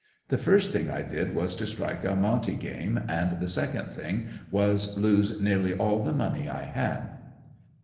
The first thing I did was to strike a monte game and the second thing was lose nearly all the money I had.